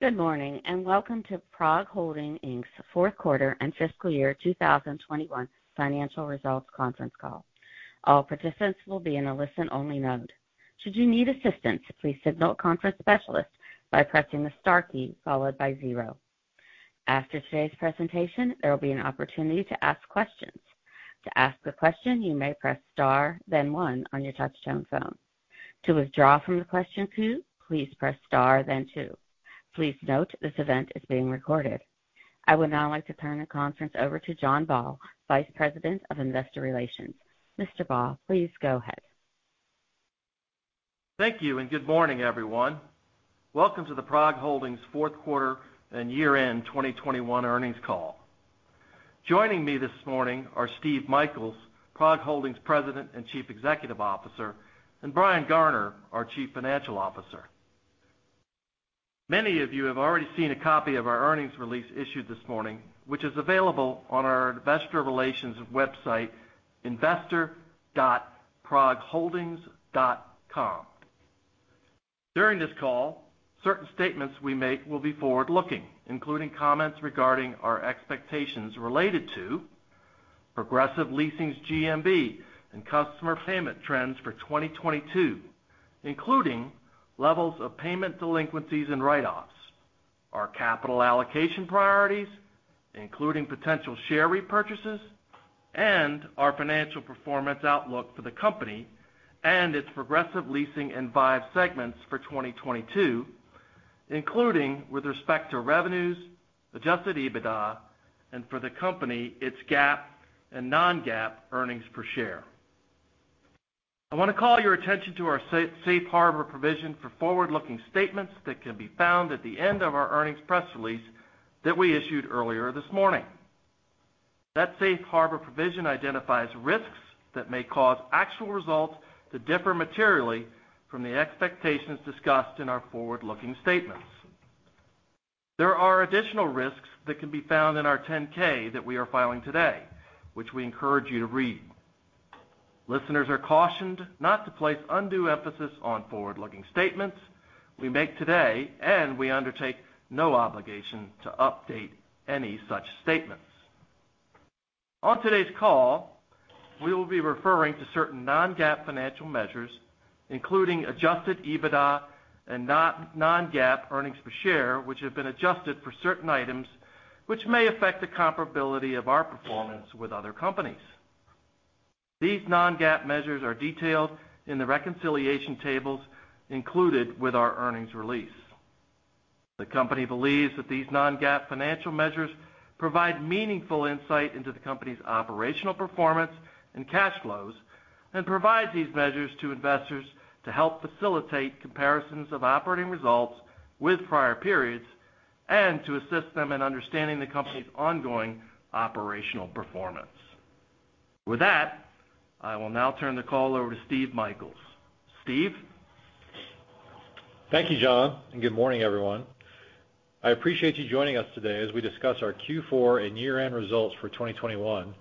Good morning, and welcome to PROG Holdings, Inc.'s fourth quarter and fiscal year 2021 financial results conference call. All participants will be in a listen-only mode. Should you need assistance, please signal a conference specialist by pressing the star key followed by zero. After today's presentation, there will be an opportunity to ask questions. To ask a question, you may press Star, then one on your touchtone phone. To withdraw from the question queue, please press Star then two. Please note this event is being recorded. I would now like to turn the conference over to John Baugh, Vice President of Investor Relations. Mr. Baugh, please go ahead. Thank you, and good morning, everyone. Welcome to the PROG Holdings fourth quarter and year-end 2021 earnings call. Joining me this morning are Steve Michaels, PROG Holdings President and Chief Executive Officer, and Brian Garner, our Chief Financial Officer. Many of you have already seen a copy of our earnings release issued this morning, which is available on our investor relations website, investor.progholdings.com. During this call, certain statements we make will be forward-looking, including comments regarding our expectations related to Progressive Leasing's GMV and customer payment trends for 2022, including levels of payment delinquencies and write-offs, our capital allocation priorities, including potential share repurchases and our financial performance outlook for the company and its Progressive Leasing and Vive segments for 2022, including with respect to revenues, adjusted EBITDA, and for the company, its GAAP and non-GAAP earnings per share. I wanna call your attention to our safe harbor provision for forward-looking statements that can be found at the end of our earnings press release that we issued earlier this morning. That safe harbor provision identifies risks that may cause actual results to differ materially from the expectations discussed in our forward-looking statements. There are additional risks that can be found in our 10-K that we are filing today, which we encourage you to read. Listeners are cautioned not to place undue emphasis on forward-looking statements we make today, and we undertake no obligation to update any such statements. On today's call, we will be referring to certain non-GAAP financial measures, including adjusted EBITDA and non-GAAP earnings per share, which have been adjusted for certain items which may affect the comparability of our performance with other companies. These non-GAAP measures are detailed in the reconciliation tables included with our earnings release. The company believes that these non-GAAP financial measures provide meaningful insight into the company's operational performance and cash flows and provides these measures to investors to help facilitate comparisons of operating results with prior periods and to assist them in understanding the company's ongoing operational performance. With that, I will now turn the call over to Steve Michaels. Steve? Thank you, John, and good morning, everyone. I appreciate you joining us today as we discuss our Q4 and year-end results for 2021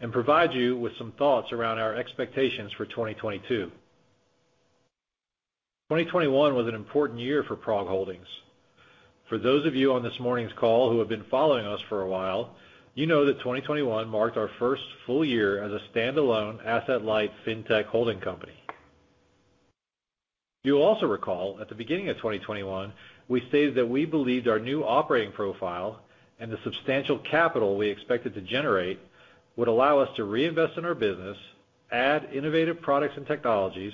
and provide you with some thoughts around our expectations for 2022. 2021 was an important year for PROG Holdings. For those of you on this morning's call who have been following us for a while, you know that 2021 marked our first full-year as a standalone asset-light fintech holding company. You'll also recall at the beginning of 2021, we stated that we believed our new operating profile and the substantial capital we expected to generate would allow us to reinvest in our business, add innovative products and technologies,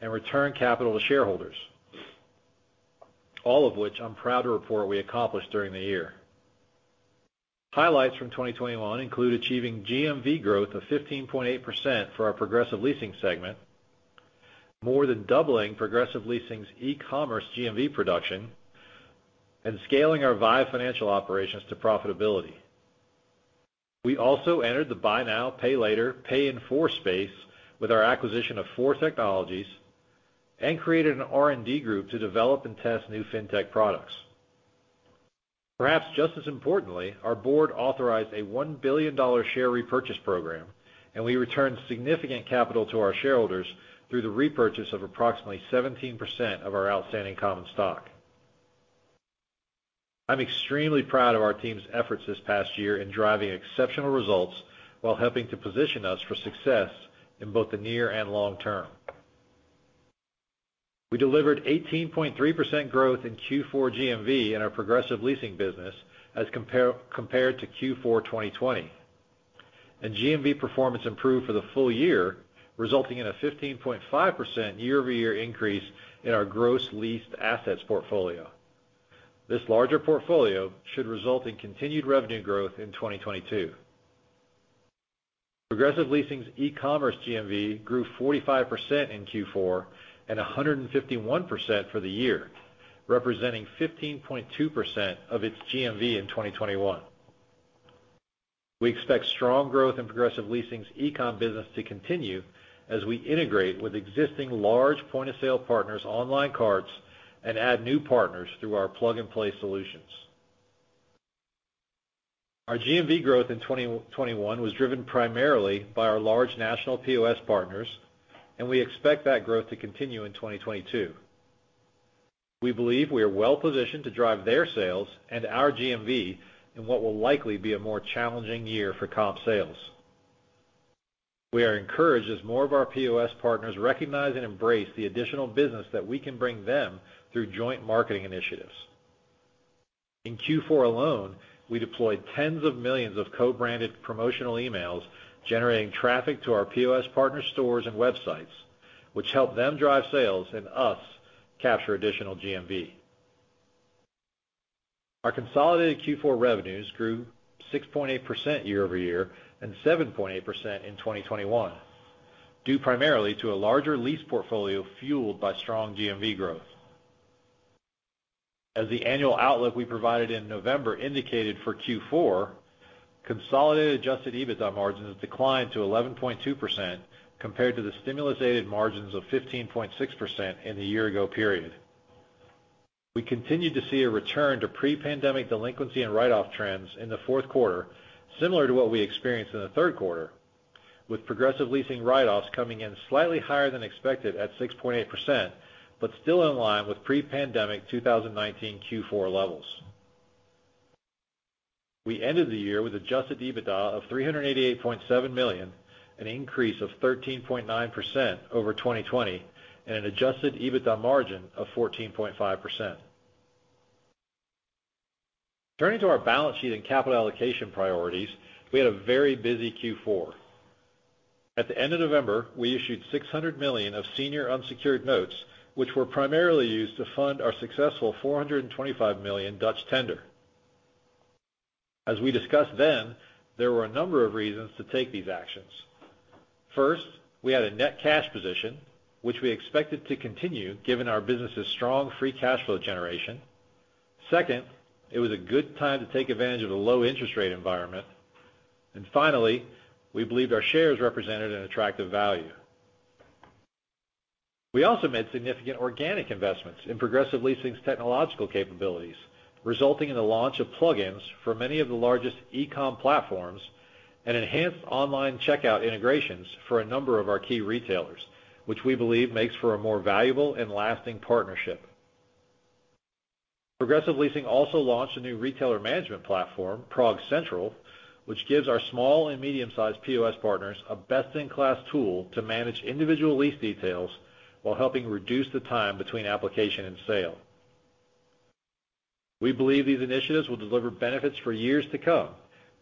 and return capital to shareholders. All of which I'm proud to report we accomplished during the year. Highlights from 2021 include achieving GMV growth of 15.8% for our Progressive Leasing segment, more than doubling Progressive Leasing's e-commerce GMV production, and scaling our Vive Financial operations to profitability. We also entered the buy now, pay later, pay in four space with our acquisition of Four Technologies and created an R&D group to develop and test new fintech products. Perhaps just as importantly, our board authorized a $1 billion share repurchase program, and we returned significant capital to our shareholders through the repurchase of approximately 17% of our outstanding common stock. I'm extremely proud of our team's efforts this past year in driving exceptional results while helping to position us for success in both the near and long term. We delivered 18.3% growth in Q4 GMV in our Progressive Leasing business as compared to Q4 2020. GMV performance improved for the full-year, resulting in a 15.5% year-over-year increase in our gross leased assets portfolio. This larger portfolio should result in continued revenue growth in 2022. Progressive Leasing's e-commerce GMV grew 45% in Q4 and 151% for the year, representing 15.2% of its GMV in 2021. We expect strong growth in Progressive Leasing's e-com business to continue as we integrate with existing large point-of-sale partners' online cards and add new partners through our plug-and-play solutions. Our GMV growth in 2021 was driven primarily by our large national POS partners, and we expect that growth to continue in 2022. We believe we are well-positioned to drive their sales and our GMV in what will likely be a more challenging year for comp sales. We are encouraged as more of our POS partners recognize and embrace the additional business that we can bring them through joint marketing initiatives. In Q4 alone, we deployed tens of millions of co-branded promotional emails, generating traffic to our POS partner stores and websites, which help them drive sales and us capture additional GMV. Our consolidated Q4 revenues grew 6.8% year-over-year and 7.8% in 2021, due primarily to a larger lease portfolio fueled by strong GMV growth. As the annual outlook we provided in November indicated for Q4, consolidated adjusted EBITDA margins declined to 11.2% compared to the stimulus-aided margins of 15.6% in the year ago period. We continued to see a return to pre-pandemic delinquency and write-off trends in the fourth quarter, similar to what we experienced in the third quarter, with Progressive Leasing write-offs coming in slightly higher than expected at 6.8%, but still in line with pre-pandemic 2019 Q4 levels. We ended the year with adjusted EBITDA of $388.7 million, an increase of 13.9% over 2020, and an adjusted EBITDA margin of 14.5%. Turning to our balance sheet and capital allocation priorities, we had a very busy Q4. At the end of November, we issued $600 million of senior unsecured notes, which were primarily used to fund our successful $425 million Dutch tender. As we discussed then, there were a number of reasons to take these actions. First, we had a net cash position, which we expected to continue given our business' strong free cash flow generation. Second, it was a good time to take advantage of the low interest rate environment. Finally, we believed our shares represented an attractive value. We also made significant organic investments in Progressive Leasing's technological capabilities, resulting in the launch of plug-ins for many of the largest e-com platforms and enhanced online checkout integrations for a number of our key retailers, which we believe makes for a more valuable and lasting partnership. Progressive Leasing also launched a new retailer management platform, ProgCentral, which gives our small and medium-sized POS partners a best-in-class tool to manage individual lease details while helping reduce the time between application and sale. We believe these initiatives will deliver benefits for years to come,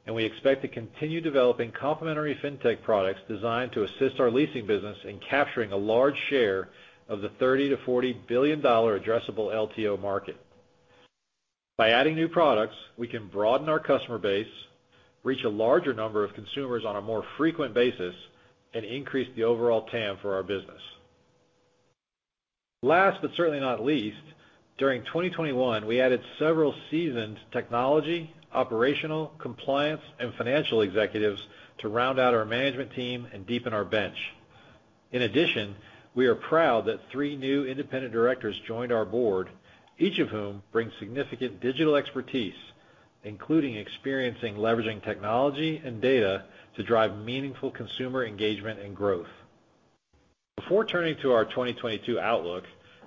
and we expect to continue developing complementary fintech products designed to assist our leasing business in capturing a large share of the $30 billion-$40 billion addressable LTO market. By adding new products, we can broaden our customer base, reach a larger number of consumers on a more frequent basis, and increase the overall TAM for our business. Last, but certainly not least, during 2021, we added several seasoned technology, operational, compliance, and financial executives to round out our management team and deepen our bench. In addition, we are proud that three new independent directors joined our board, each of whom brings significant digital expertise, including experience in leveraging technology and data to drive meaningful consumer engagement and growth. Before turning to our 2022 outlook,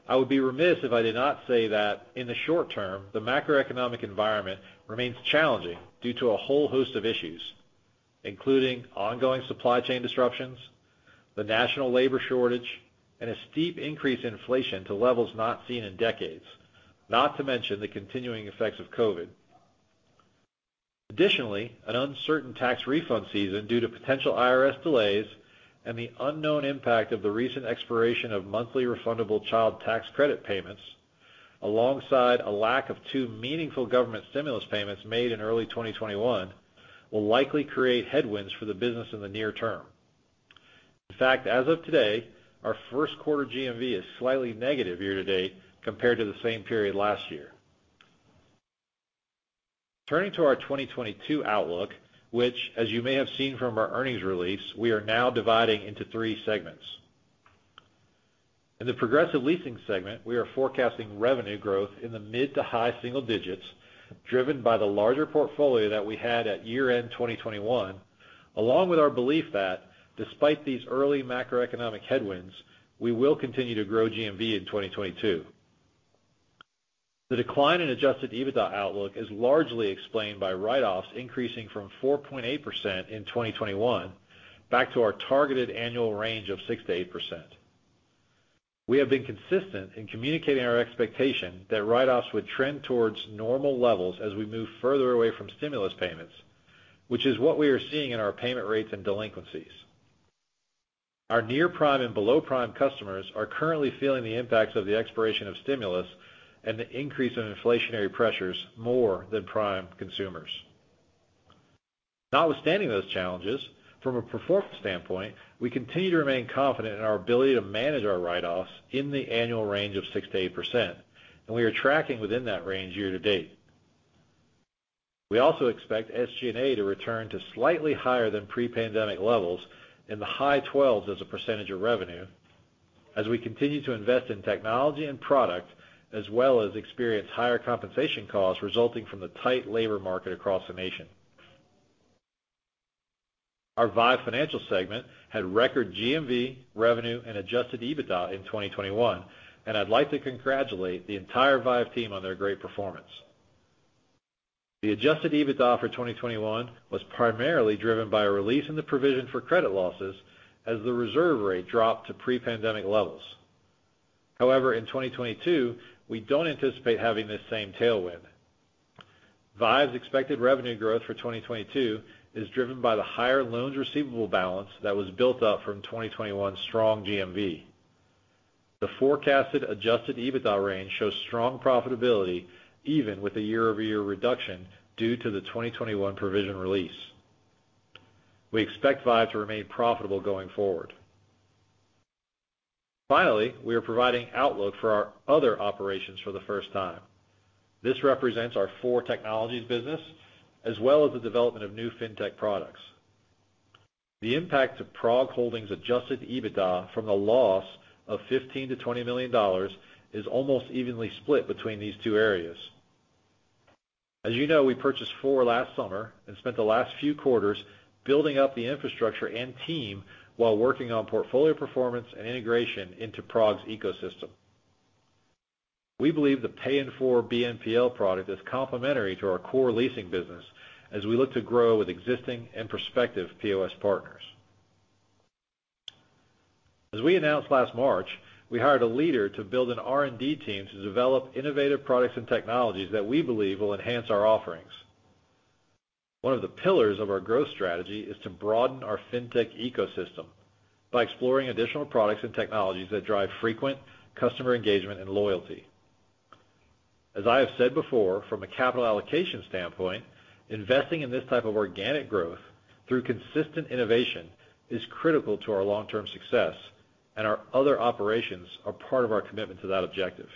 I would be remiss if I did not say that in the short-term, the macroeconomic environment remains challenging due to a whole host of issues, including ongoing supply chain disruptions, the national labor shortage, and a steep increase in inflation to levels not seen in decades, not to mention the continuing effects of COVID. Additionally, an uncertain tax refund season due to potential IRS delays and the unknown impact of the recent expiration of monthly refundable child tax credit payments, alongside a lack of two meaningful government stimulus payments made in early 2021, will likely create headwinds for the business in the near term. In fact, as of today, our first quarter GMV is slightly negative year-to-date compared to the same period last year. Turning to our 2022 outlook, which as you may have seen from our earnings release, we are now dividing into three segments. In the Progressive Leasing segment, we are forecasting revenue growth in the mid- to high-single digits, driven by the larger portfolio that we had at year-end 2021, along with our belief that despite these early macroeconomic headwinds, we will continue to grow GMV in 2022. The decline in adjusted EBITDA outlook is largely explained by write-offs increasing from 4.8% in 2021 back to our targeted annual range of 6%-8%. We have been consistent in communicating our expectation that write-offs would trend towards normal levels as we move further away from stimulus payments, which is what we are seeing in our payment rates and delinquencies. Our near-prime and below-prime customers are currently feeling the impacts of the expiration of stimulus and the increase in inflationary pressures more than prime consumers. Notwithstanding those challenges, from a performance standpoint, we continue to remain confident in our ability to manage our write-offs in the annual range of 6%-8%, and we are tracking within that range year-to-date. We also expect SG&A to return to slightly higher than pre-pandemic levels in the high 12s% of revenue. As we continue to invest in technology and product, as well as experience higher compensation costs resulting from the tight labor market across the nation. Our Vive Financial segment had record GMV revenue and adjusted EBITDA in 2021, and I'd like to congratulate the entire Vive team on their great performance. The adjusted EBITDA for 2021 was primarily driven by a release in the provision for credit losses as the reserve rate dropped to pre-pandemic levels. However, in 2022, we don't anticipate having this same tailwind. Vive's expected revenue growth for 2022 is driven by the higher loans receivable balance that was built up from 2021 strong GMV. The forecasted adjusted EBITDA range shows strong profitability even with a year-over-year reduction due to the 2021 provision release. We expect Vive to remain profitable going forward. Finally, we are providing outlook for our other operations for the first time. This represents our Four Technologies business as well as the development of new fintech products. The impact to Prog Holdings adjusted EBITDA from the loss of $15 million-$20 million is almost evenly split between these two areas. As you know, we purchased Four last summer and spent the last few quarters building up the infrastructure and team while working on portfolio performance and integration into PROG's ecosystem. We believe the pay in four BNPL product is complementary to our core leasing business as we look to grow with existing and prospective POS partners. As we announced last March, we hired a leader to build an R&D team to develop innovative products and technologies that we believe will enhance our offerings. One of the pillars of our growth strategy is to broaden our fintech ecosystem by exploring additional products and technologies that drive frequent customer engagement and loyalty. As I have said before, from a capital allocation standpoint, investing in this type of organic growth through consistent innovation is critical to our long-term success, and our other operations are part of our commitment to that objective.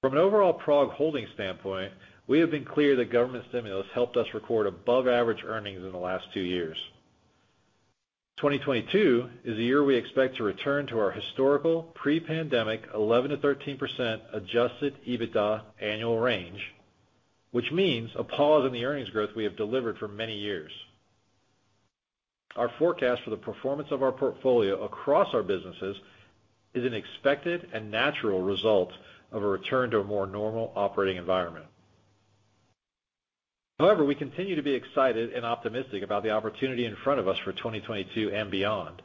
From an overall PROG Holdings standpoint, we have been clear that government stimulus helped us record above average earnings in the last two years. 2022 is the year we expect to return to our historical pre-pandemic 11%-13% adjusted EBITDA annual range, which means a pause in the earnings growth we have delivered for many years. Our forecast for the performance of our portfolio across our businesses is an expected and natural result of a return to a more normal operating environment. However, we continue to be excited and optimistic about the opportunity in front of us for 2022 and beyond.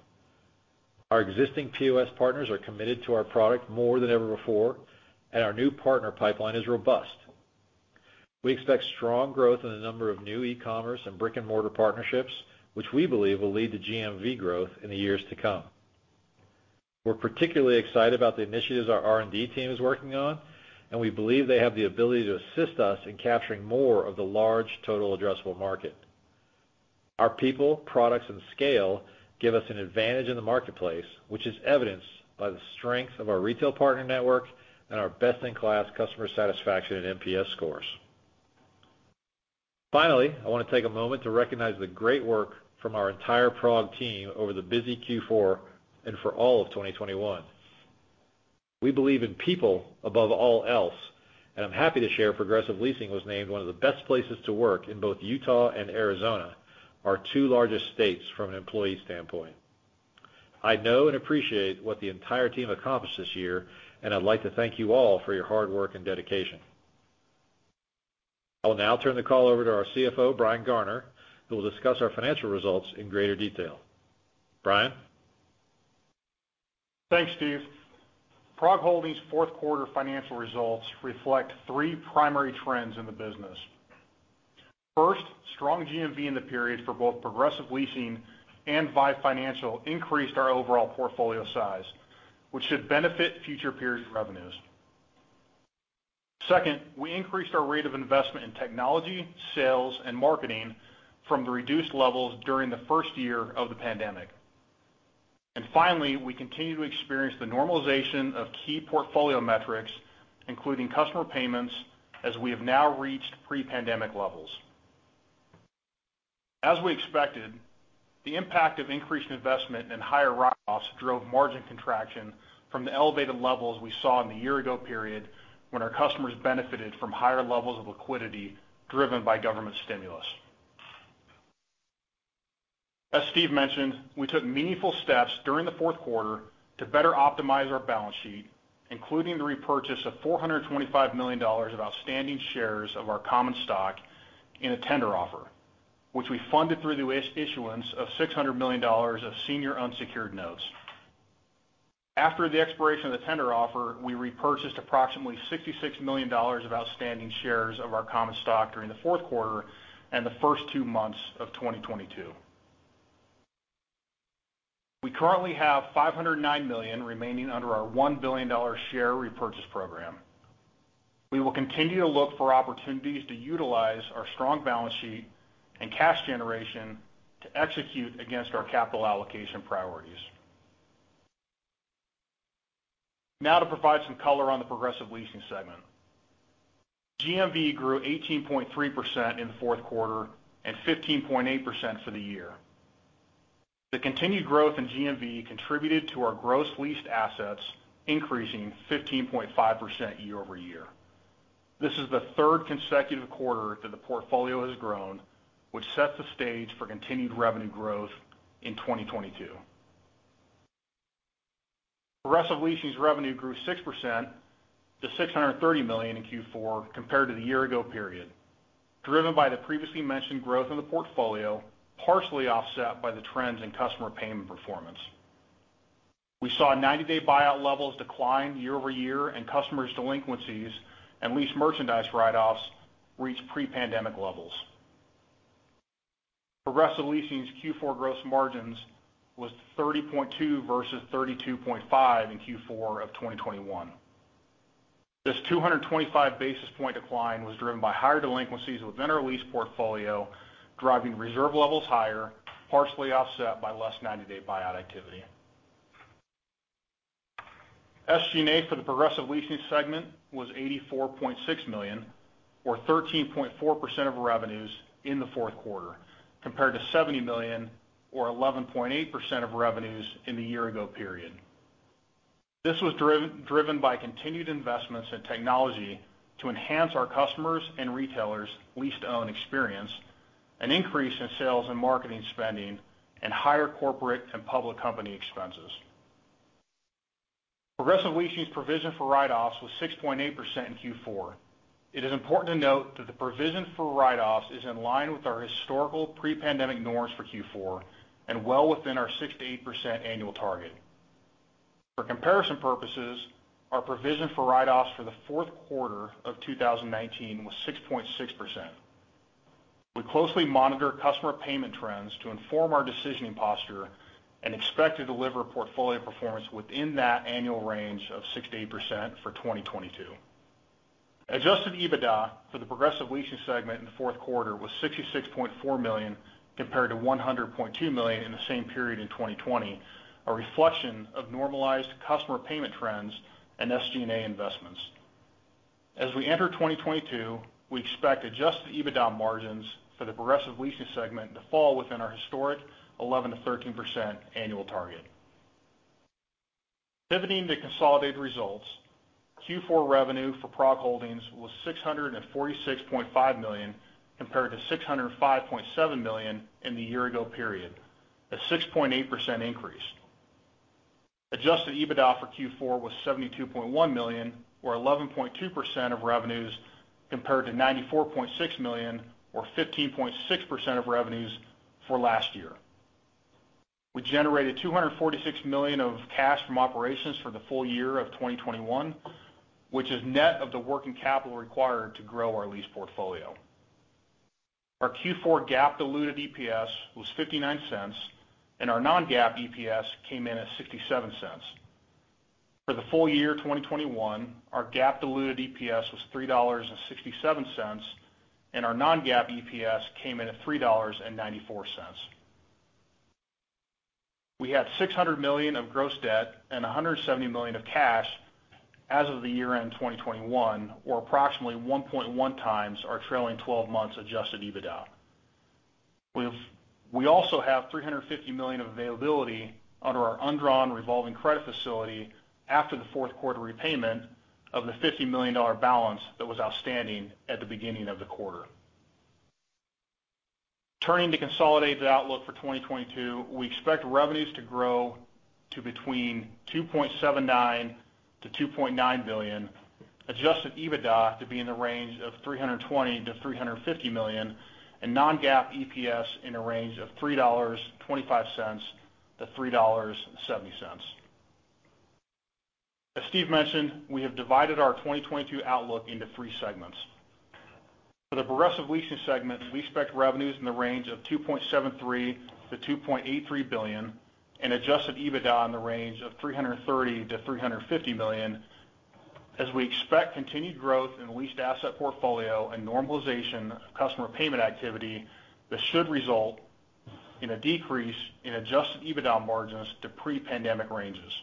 Our existing POS partners are committed to our product more than ever before, and our new partner pipeline is robust. We expect strong growth in the number of new e-commerce and brick-and-mortar partnerships, which we believe will lead to GMV growth in the years to come. We're particularly excited about the initiatives our R&D team is working on, and we believe they have the ability to assist us in capturing more of the large total addressable market. Our people, products, and scale give us an advantage in the marketplace, which is evidenced by the strength of our retail partner network and our best-in-class customer satisfaction and NPS scores. Finally, I wanna take a moment to recognize the great work from our entire Prog team over the busy Q4 and for all of 2021. We believe in people above all else, and I'm happy to share Progressive Leasing was named one of the best places to work in both Utah and Arizona, our two largest states from an employee standpoint. I know and appreciate what the entire team accomplished this year, and I'd like to thank you all for your hard work and dedication. I will now turn the call over to our CFO, Brian Garner, who will discuss our financial results in greater detail. Brian? Thanks, Steve. PROG Holdings' fourth quarter financial results reflect three primary trends in the business. First, strong GMV in the period for both Progressive Leasing and Vive Financial increased our overall portfolio size, which should benefit future period revenues. Second, we increased our rate of investment in technology, sales, and marketing from the reduced levels during the first year of the pandemic. Finally, we continue to experience the normalization of key portfolio metrics, including customer payments, as we have now reached pre-pandemic levels. As we expected, the impact of increased investment and higher write-offs drove margin contraction from the elevated levels we saw in the year ago period when our customers benefited from higher levels of liquidity driven by government stimulus. As Steve mentioned, we took meaningful steps during the fourth quarter to better optimize our balance sheet, including the repurchase of $425 million of outstanding shares of our common stock in a tender offer, which we funded through the issuance of $600 million of senior unsecured notes. After the expiration of the tender offer, we repurchased approximately $66 million of outstanding shares of our common stock during the fourth quarter and the first two months of 2022. We currently have $509 million remaining under our $1 billion share repurchase program. We will continue to look for opportunities to utilize our strong balance sheet and cash generation to execute against our capital allocation priorities. Now to provide some color on the Progressive Leasing segment. GMV grew 18.3% in the fourth quarter and 15.8% for the year. The continued growth in GMV contributed to our gross leased assets increasing 15.5% year-over-year. This is the third consecutive quarter that the portfolio has grown, which sets the stage for continued revenue growth in 2022. Progressive Leasing's revenue grew 6% to $630 million in Q4 compared to the year ago period, driven by the previously mentioned growth in the portfolio, partially offset by the trends in customer payment performance. We saw 90 day buyout levels decline year-over-year and customers' delinquencies and leased merchandise write-offs reach pre-pandemic levels. Progressive Leasing's Q4 gross margins was 30.2% versus 32.5% in Q4 of 2021. This 225 basis point decline was driven by higher delinquencies within our lease portfolio, driving reserve levels higher, partially offset by less 90 day buyout activity. SG&A for the Progressive Leasing segment was $84.6 million or 13.4% of revenues in the fourth quarter, compared to $70 million or 11.8% of revenues in the year ago period. This was driven by continued investments in technology to enhance our customers' and retailers' lease to own experience, an increase in sales and marketing spending, and higher corporate and public company expenses. Progressive Leasing's provision for write-offs was 6.8% in Q4. It is important to note that the provision for write-offs is in line with our historical pre-pandemic norms for Q4 and well within our 6%-8% annual target. For comparison purposes, our provision for write-offs for the fourth quarter of 2019 was 6.6%. We closely monitor customer payment trends to inform our decisioning posture and expect to deliver portfolio performance within that annual range of 6%-8% for 2022. Adjusted EBITDA for the Progressive Leasing segment in the fourth quarter was $66.4 million compared to $100.2 million in the same period in 2020, a reflection of normalized customer payment trends and SG&A investments. As we enter 2022, we expect adjusted EBITDA margins for the Progressive Leasing segment to fall within our historic 11%-13% annual target. Pivoting to consolidated results, Q4 revenue for PROG Holdings was $646.5 million compared to $605.7 million in the year ago period, a 6.8% increase. Adjusted EBITDA for Q4 was $72.1 million or 11.2% of revenues compared to $94.6 million or 15.6% of revenues for last year. We generated $246 million of cash from operations for the full-year of 2021, which is net of the working capital required to grow our lease portfolio. Our Q4 GAAP diluted EPS was $0.59, and our non-GAAP EPS came in at $0.67. For the full-year 2021, our GAAP diluted EPS was $3.67, and our non-GAAP EPS came in at $3.94. We had $600 million of gross debt and $170 million of cash as of year-end 2021, or approximately 1.1x our trailing 12 months adjusted EBITDA. We also have $350 million of availability under our undrawn revolving credit facility after the fourth quarter repayment of the $50 million balance that was outstanding at the beginning of the quarter. Turning to consolidated outlook for 2022, we expect revenues to grow to between $2.79 billion-$2.9 billion, adjusted EBITDA to be in the range of $320 million-$350 million, and non-GAAP EPS in a range of $3.25-$3.70. As Steve mentioned, we have divided our 2022 outlook into three segments. For the Progressive Leasing segment, we expect revenues in the range of $2.73 billion-$2.83 billion and adjusted EBITDA in the range of $330 million-$350 million as we expect continued growth in leased asset portfolio and normalization of customer payment activity that should result in a decrease in adjusted EBITDA margins to pre-pandemic ranges.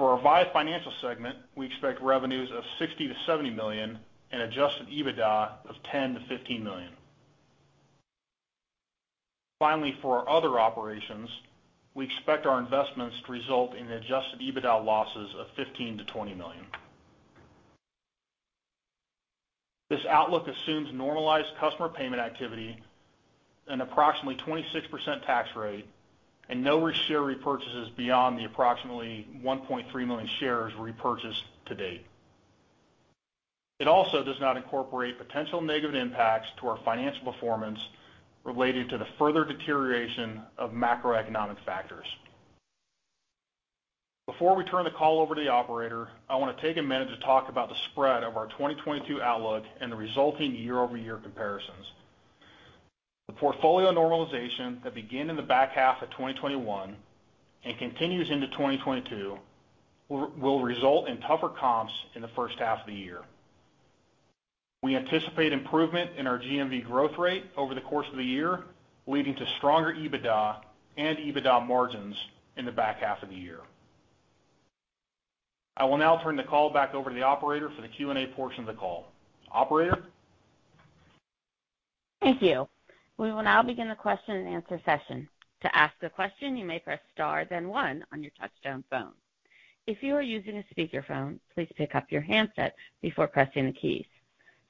For our Vive Financial segment, we expect revenues of $60 million-$70 million and adjusted EBITDA of $10 million-$15 million. Finally, for our other operations, we expect our investments to result in adjusted EBITDA losses of $15 million-$20 million. This outlook assumes normalized customer payment activity, an approximately 26% tax rate, and no share repurchases beyond the approximately 1.3 million shares repurchased to date. It also does not incorporate potential negative impacts to our financial performance related to the further deterioration of macroeconomic factors. Before we turn the call over to the operator, I wanna take a minute to talk about the spread of our 2022 outlook and the resulting year-over-year comparisons. The portfolio normalization that began in the back half of 2021 and continues into 2022 will result in tougher comps in the first half of the year. We anticipate improvement in our GMV growth rate over the course of the year, leading to stronger EBITDA and EBITDA margins in the back half of the year. I will now turn the call back over to the operator for the Q&A portion of the call. Operator? Thank you. We will now begin the question-and-answer session. To ask a question, you may press Star then one on your touchtone phone. If you are using a speakerphone, please pick up your handset before pressing the keys.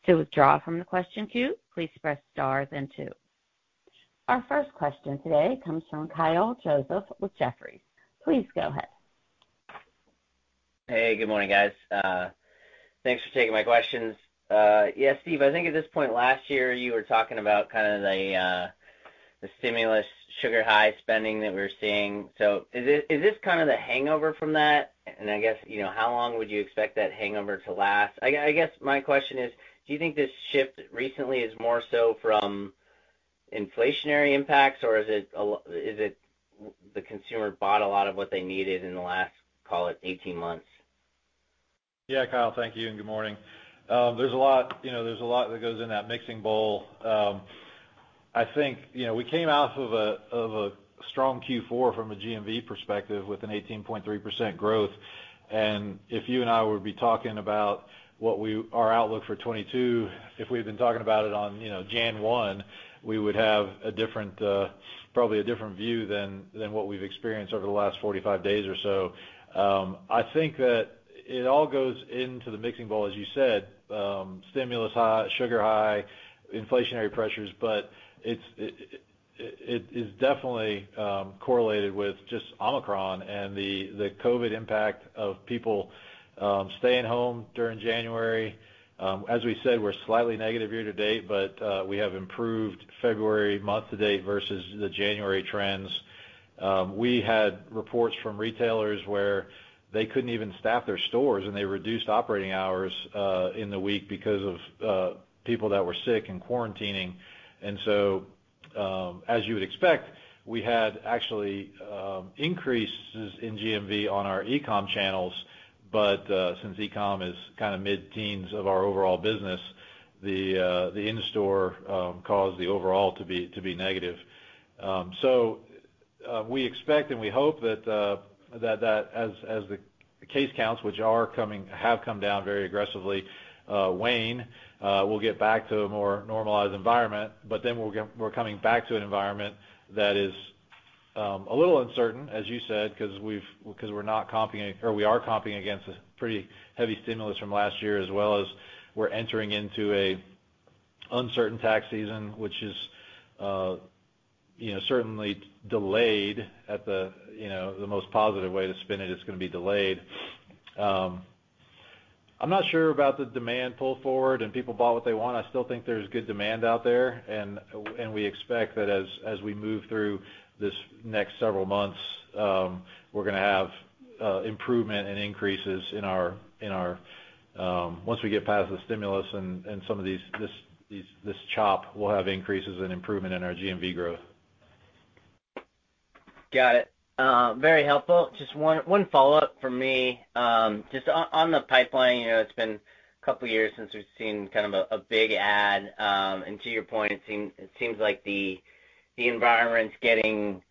To withdraw from the question queue, please press Star then two. Our first question today comes from Kyle Joseph with Jefferies. Please go ahead. Hey, good morning, guys. Thanks for taking my questions. Yeah, Steve, I think at this point last year, you were talking about kind of the stimulus sugar high spending that we're seeing. Is this kind of the hangover from that? I guess, you know, how long would you expect that hangover to last? I guess my question is, do you think this shift recently is more so from inflationary impacts, or is it the consumer bought a lot of what they needed in the last, call it 18 months? Yeah. Kyle, thank you, and good morning. There's a lot, you know, that goes in that mixing bowl. I think, you know, we came out of a strong Q4 from a GMV perspective with an 18.3% growth. If you and I would be talking about our outlook for 2022, if we had been talking about it on, you know, January 1, we would have a different, probably a different view than what we've experienced over the last 45 days or so. I think that it all goes into the mixing bowl, as you said, stimulus high, sugar high, inflationary pressures, but it is definitely correlated with just Omicron and the COVID impact of people staying home during January. As we said, we're slightly negative year-to-date, but we have improved February month-to-date versus the January trends. We had reports from retailers where they couldn't even staff their stores, and they reduced operating hours in the week because of people that were sick and quarantining. As you would expect, we had actually increases in GMV on our e-com channels. Since e-com is kind of mid-teens of our overall business, the in-store caused the overall to be negative. We expect and we hope that as the case counts, which have come down very aggressively, wane, we'll get back to a more normalized environment. We're coming back to an environment that is a little uncertain, as you said, because we're not comping or we are comping against a pretty heavy stimulus from last year, as well as we're entering into an uncertain tax season, which is, you know, certainly delayed at the, you know, the most positive way to spin it's gonna be delayed. I'm not sure about the demand pull forward and people bought what they want. I still think there's good demand out there, and we expect that as we move through this next several months, we're gonna have improvement and increases in our. Once we get past the stimulus and some of this chop, we'll have increases in improvement in our GMV growth. Got it. Very helpful. Just one follow-up from me. Just on the pipeline, you know, it's been a couple years since we've seen kind of a big add. To your point, it seems like the environment's getting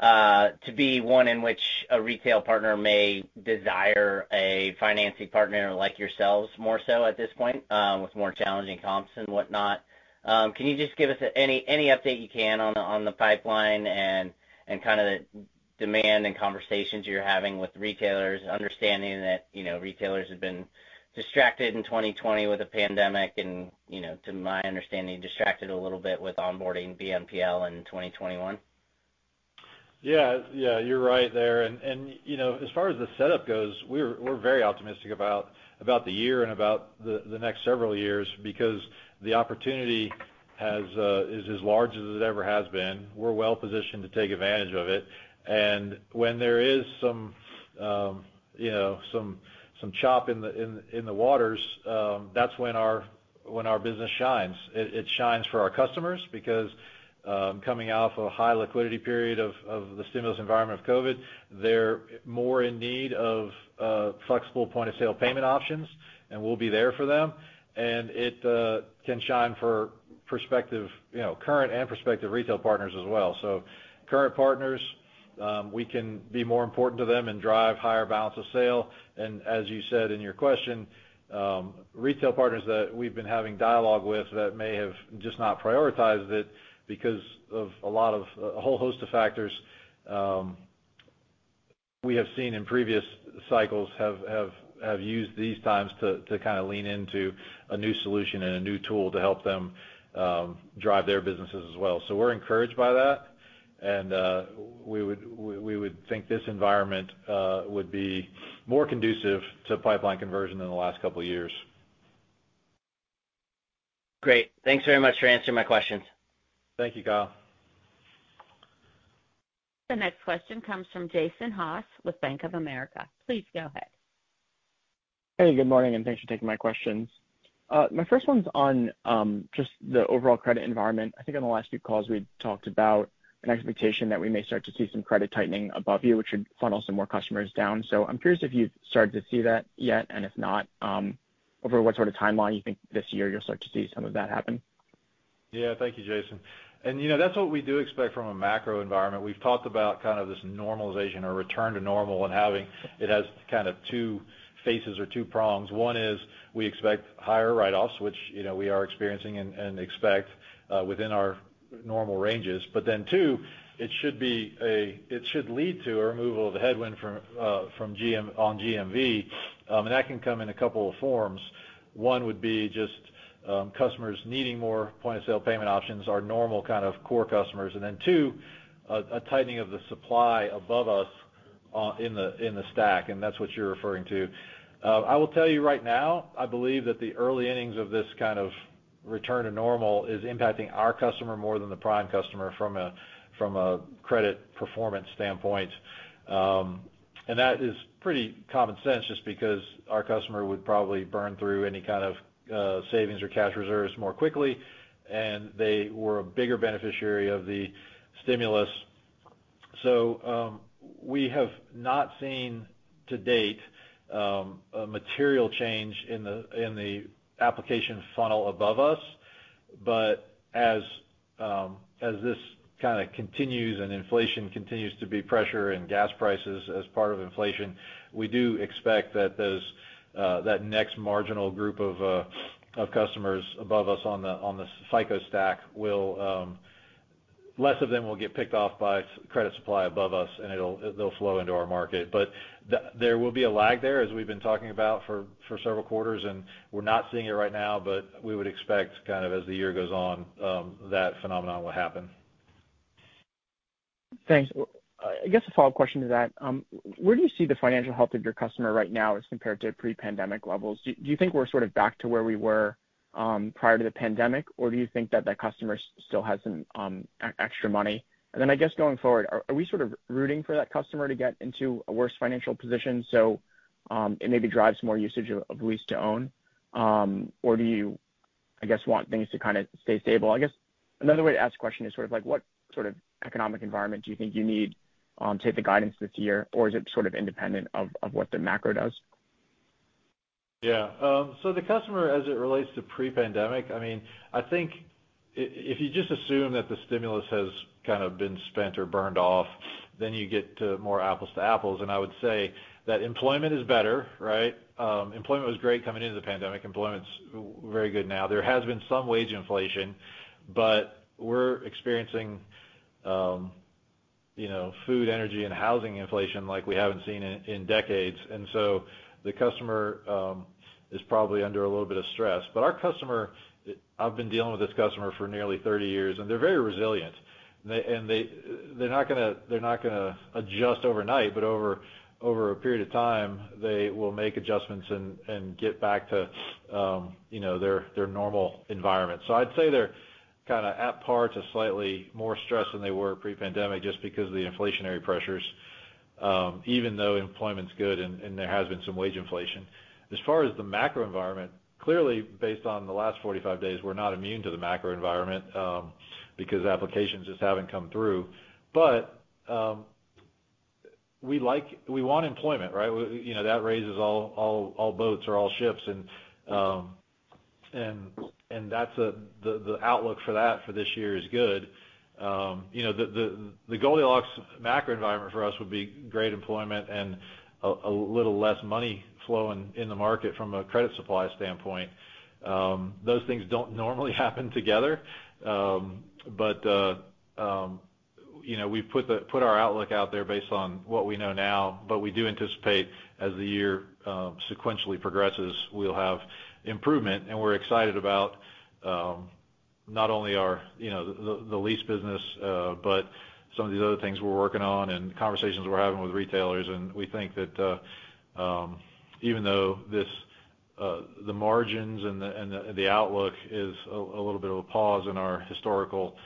to be one in which a retail partner may desire a financing partner like yourselves more so at this point, with more challenging comps and whatnot. Can you just give us any update you can on the pipeline and kind of the demand and conversations you're having with retailers, understanding that, you know, retailers have been distracted in 2020 with the pandemic and, you know, to my understanding, distracted a little bit with onboarding BNPL in 2021? Yeah. Yeah, you're right there. You know, as far as the setup goes, we're very optimistic about the year and about the next several years because the opportunity is as large as it ever has been. We're well positioned to take advantage of it. When there is some chop in the waters, that's when our business shines. It shines for our customers because, coming off a high liquidity period of the stimulus environment of COVID, they're more in need of flexible point-of-sale payment options, and we'll be there for them. It can shine for prospective, you know, current and prospective retail partners as well. Current partners, we can be more important to them and drive higher balance of sale. As you said in your question, retail partners that we've been having dialogue with that may have just not prioritized it because of a lot of a whole host of factors, we have seen in previous cycles have used these times to kind of lean into a new solution and a new tool to help them drive their businesses as well. We're encouraged by that, and we would think this environment would be more conducive to pipeline conversion than the last couple years. Great. Thanks very much for answering my questions. Thank you, Kyle. The next question comes from Jason Haas with Bank of America. Please go ahead. Hey, good morning, and thanks for taking my questions. My first one's on just the overall credit environment. I think on the last few calls, we talked about an expectation that we may start to see some credit tightening above you, which should funnel some more customers down. I'm curious if you've started to see that yet. If not, over what sort of timeline you think this year you'll start to see some of that happen? Yeah. Thank you, Jason. You know, that's what we do expect from a macro environment. We've talked about kind of this normalization or return to normal and having. It has kind of two phases or two prongs. One is we expect higher write-offs, which, you know, we are experiencing and expect within our normal ranges. Then two, it should lead to a removal of the headwind from GMV, and that can come in a couple of forms. One would be just customers needing more point-of-sale payment options, our normal kind of core customers. Then two, a tightening of the supply above us in the stack, and that's what you're referring to. I will tell you right now, I believe that the early innings of this kind of return to normal is impacting our customer more than the prime customer from a credit performance standpoint. That is pretty common sense just because our customer would probably burn through any kind of savings or cash reserves more quickly, and they were a bigger beneficiary of the stimulus. We have not seen to date a material change in the application funnel above us. As this kinda continues and inflation continues to be pressure and gas prices as part of inflation, we do expect that that next marginal group of customers above us on the FICO stack will. Less of them will get picked off by credit supply above us, and they'll flow into our market. There will be a lag there, as we've been talking about for several quarters, and we're not seeing it right now, but we would expect kind of as the year goes on, that phenomenon will happen. Thanks. I guess a follow-up question to that, where do you see the financial health of your customer right now as compared to pre-pandemic levels? Do you think we're sort of back to where we were prior to the pandemic, or do you think that customer still has some extra money? I guess, going forward, are we sort of rooting for that customer to get into a worse financial position so it maybe drives more usage of lease-to-own, or do you want things to kinda stay stable? I guess another way to ask the question is sort of like, what sort of economic environment do you think you need to hit the guidance this year, or is it sort of independent of what the macro does? Yeah. So the customer, as it relates to pre-pandemic, I mean, I think if you just assume that the stimulus has kind of been spent or burned off, then you get to more apples to apples. I would say that employment is better, right? Employment was great coming into the pandemic. Employment's very good now. There has been some wage inflation, but we're experiencing, you know, food, energy, and housing inflation like we haven't seen in decades. The customer is probably under a little bit of stress. Our customer, I've been dealing with this customer for nearly 30 years, and they're very resilient. And they're not gonna adjust overnight, but over a period of time, they will make adjustments and get back to, you know, their normal environment. I'd say they're kinda at par to slightly more stressed than they were pre-pandemic just because of the inflationary pressures, even though employment's good and there has been some wage inflation. As far as the macro environment, clearly, based on the last 45 days, we're not immune to the macro environment, because applications just haven't come through. We want employment, right? You know, that raises all boats or all ships. That's the outlook for that for this year is good. You know, the Goldilocks macro environment for us would be great employment and a little less money flowing in the market from a credit supply standpoint. Those things don't normally happen together. We've put our outlook out there based on what we know now. We do anticipate as the year sequentially progresses, we'll have improvement. We're excited about not only our, you know, the lease business, but some of these other things we're working on and conversations we're having with retailers. We think that even though this, the margins and the outlook is a little bit of a pause in our historical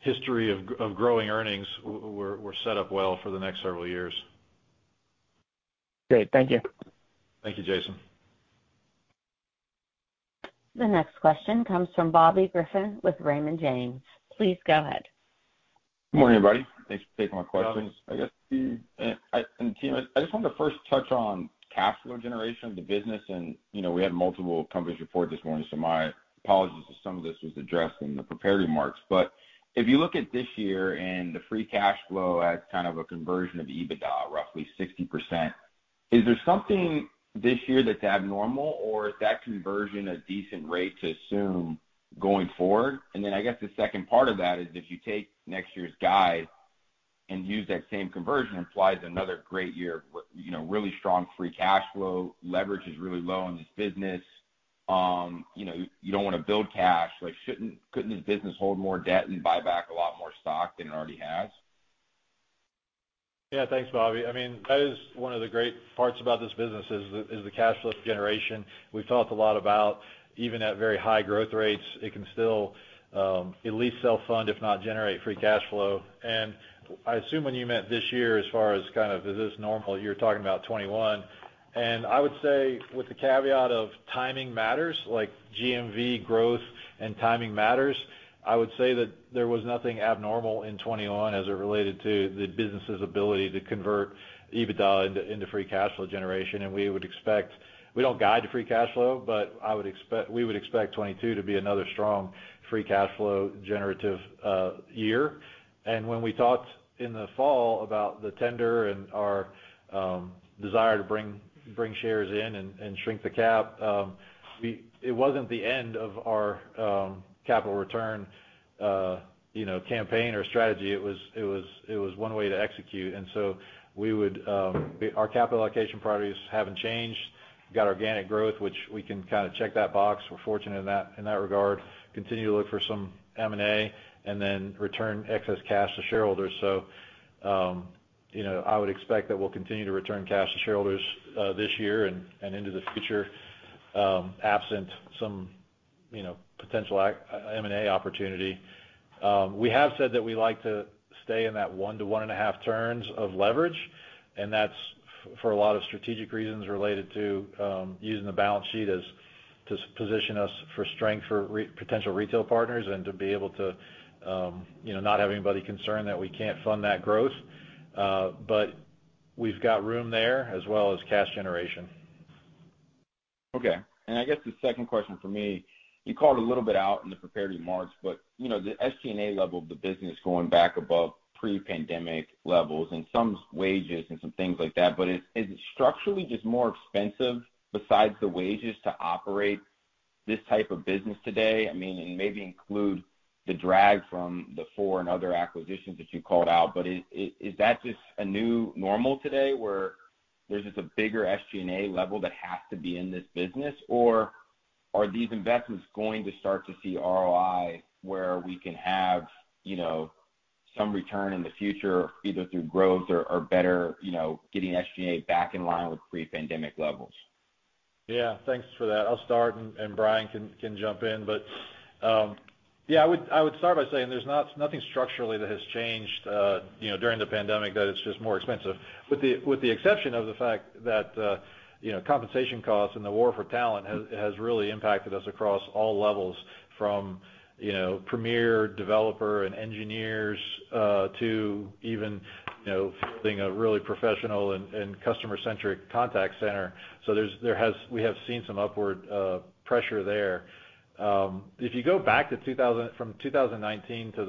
history of growing earnings, we're set up well for the next several years. Great. Thank you. Thank you, Jason. The next question comes from Bobby Griffin with Raymond James. Please go ahead. Good morning, everybody. Thanks for taking my questions. Good morning. I guess Steve and team, I just wanted to first touch on cash flow generation of the business. You know, we had multiple companies report this morning, so my apologies if some of this was addressed in the prepared remarks. If you look at this year and the free cash flow as kind of a conversion of EBITDA, roughly 60%, is there something this year that's abnormal, or is that conversion a decent rate to assume going forward? I guess the second part of that is if you take next year's guide and use that same conversion, implies another great year of you know, really strong free cash flow. Leverage is really low in this business. You know, you don't wanna build cash. Like, couldn't this business hold more debt and buy back a lot more stock than it already has? Yeah. Thanks, Bobby. I mean, that is one of the great parts about this business is the cash flow generation. We've talked a lot about even at very high growth rates, it can still at least self-fund, if not generate free cash flow. I assume when you meant this year as far as kind of is this normal, you're talking about 2021. I would say with the caveat of timing matters, like GMV growth and timing matters, I would say that there was nothing abnormal in 2021 as it related to the business's ability to convert EBITDA into free cash flow generation. We would expect. We don't guide to free cash flow, but we would expect 2022 to be another strong free cash flow generative year. When we talked in the fall about the tender and our desire to bring shares in and shrink the cap, it wasn't the end of our capital return, you know, campaign or strategy. It was one way to execute. Our capital allocation priorities haven't changed. Got organic growth, which we can kind of check that box. We're fortunate in that regard. Continue to look for some M&A, and then return excess cash to shareholders. You know, I would expect that we'll continue to return cash to shareholders this year and into the future, absent some, you know, potential M&A opportunity. We have said that we like to stay in that 1-1.5 turns of leverage, and that's for a lot of strategic reasons related to using the balance sheet as to position us for strength for potential retail partners and to be able to, you know, not have anybody concerned that we can't fund that growth. We've got room there as well as cash generation. Okay. I guess the second question from me, you called a little bit out in the prepared remarks, but you know, the SG&A level of the business going back above pre-pandemic levels and some wages and some things like that, but is it structurally just more expensive besides the wages to operate this type of business today? I mean, and maybe include the drag from the Four and other acquisitions that you called out. But is that just a new normal today, where there's just a bigger SG&A level that has to be in this business? Or are these investments going to start to see ROI where we can have, you know, some return in the future, either through growth or better, you know, getting SG&A back in line with pre-pandemic levels? Yeah. Thanks for that. I'll start and Brian can jump in. Yeah, I would start by saying there's nothing structurally that has changed, you know, during the pandemic that's just more expensive, with the exception of the fact that, you know, compensation costs and the war for talent has really impacted us across all levels from, you know, premier developer and engineers to even, you know, fielding a really professional and customer-centric contact center. So we have seen some upward pressure there. If you go back from 2019 to